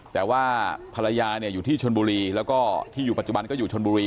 แต่ว่าภรรยาอยู่ที่ชนบุรีแล้วก็ที่อยู่ปัจจุบันก็อยู่ชนบุรี